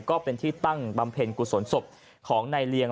ก็เป็นที่ตั้งบำเพ็ญกุศลศพของนายเลียง